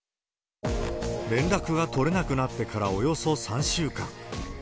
連絡が取れなくなってからおよそ３週間。